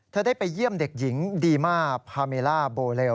ได้ไปเยี่ยมเด็กหญิงดีมาพาเมล่าโบเรล